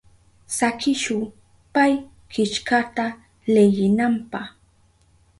Sakishu pay killkata leyinanpa.